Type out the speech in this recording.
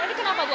ini kenapa ibu